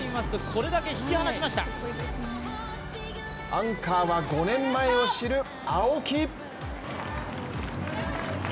アンカーは５年前を知る青木。